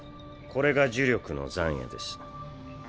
これが呪力の残穢です。